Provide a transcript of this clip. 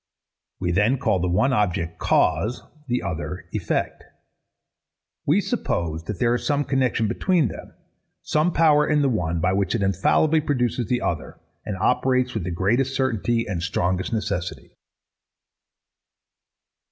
We then call the one object, Cause; the other, Effect. We suppose that there is some connexion between them; some power in the one, by which it infallibly produces the other, and operates with the greatest certainty and strongest necessity.